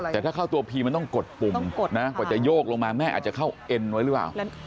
แต่ถ้าเข้าตัวพีมันต้องกดปุ่มกดนะกว่าจะโยกลงมาแม่อาจจะเข้าเอ็นไว้หรือเปล่า